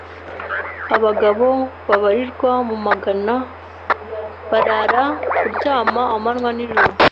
Abagabo babarirwa mu magana barara kuryama amanywa n'ijoro.